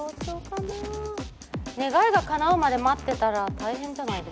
願いがかなうまで待ってたら大変じゃないですか？